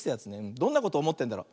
どんなことおもってんだろう。